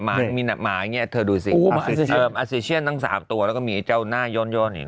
หมามีหมาอย่างเงี้ยเธอดูสิเอ่อทั้งสามตัวแล้วก็มีไอ้เจ้าหน้าย้อนย้อน